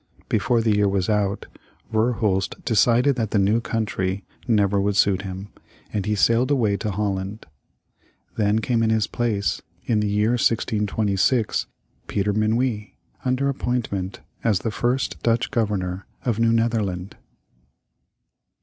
Before the year was out, Verhulst decided that the new country never would suit him, and he sailed away to Holland. Then came in his place, in the year 1626, Peter Minuit, under appointment as the first Dutch Governor of New Netherland.